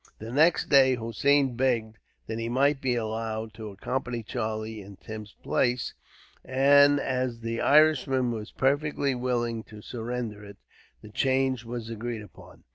The next day, Hossein begged that he might be allowed to accompany Charlie in Tim's place; and as the Irishman was perfectly willing to surrender it, the change was agreed upon.